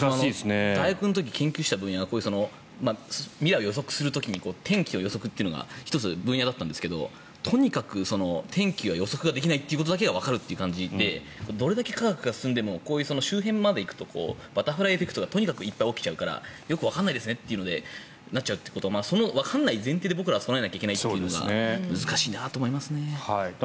大学の時に研究していた分野が未来を予測する時に天気を予測というのが１つ、分野だったんですがとにかく天気は予測できないということだけはわかるという感じでどれだけ科学が進んでもこういう周辺まで行くとバタフライエフェクトがとにかくいっぱい起きちゃうからよくわからないですねとなっちゃうのでよくわからないという前提で僕らは備えなきゃいけないというのが難しいなと思います。